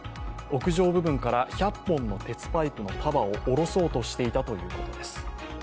屋上部分から１００本の鉄パイプの束を下ろそうとしていたということです。